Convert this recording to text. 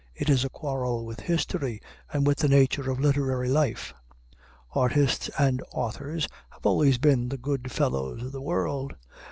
It is a quarrel with history and with the nature of literary life. Artists and authors have always been the good fellows of the world.